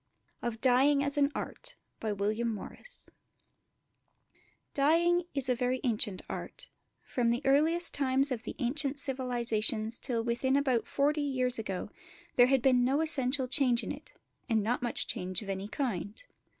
OF DYEING AS AN ART Dyeing is a very ancient art; from the earliest times of the ancient civilisations till within about forty years ago there had been no essential change in it, and not much change of any kind.